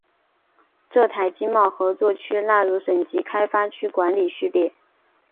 浙台经贸合作区纳入省级开发区管理序列。